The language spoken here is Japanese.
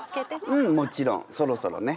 うんもちろんそろそろね。